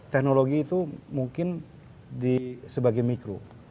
teknologi itu mungkin sebagai mikro